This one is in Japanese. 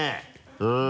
うん。